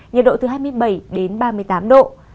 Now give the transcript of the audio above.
nhiệt độ từ hai mươi bảy đến ba mươi tám độ